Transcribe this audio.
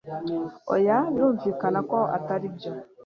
oya birumvikana ko atari byo